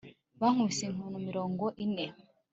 bankubise inkoni mirongo ine